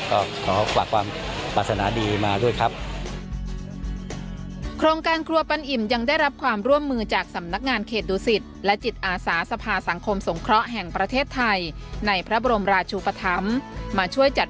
นะครับก็ขอฝากความปลาสนาดีมาด้วยครับโครงการครัวปันอิ่มยังได้รับความร่วมมือจากสำนักงานเขตดุสิตและจิตอาสาสภาสังคมสงเคราะห์แห่งประเทศไทยในพระบรมราชุปธรรมมาช่วยจัด